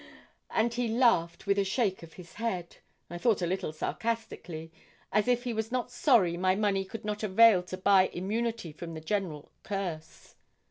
and he laughed with a shake of his head, I thought a little sarcastically, as if he was not sorry my money could not avail to buy immunity from the general curse.